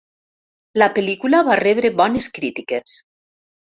La pel·lícula va rebre bones crítiques.